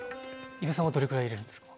伊武さんはどれぐらい入れるんですか？